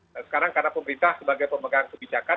nah sekarang karena pemerintah sebagai pemegang kebijakan